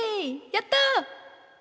やった！